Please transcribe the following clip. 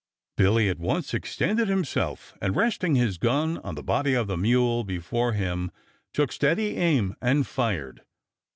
Billy at once extended himself, and resting his gun on the body of the mule before him took steady aim and fired.